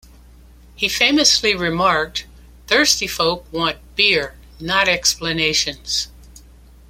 He famously remarked, Thirsty folk want beer, not explanations.